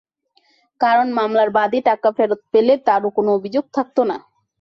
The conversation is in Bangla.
কারণ মামলার বাদী টাকা ফেরত পেলে তাঁরও কোনো অভিযোগ থাকত না।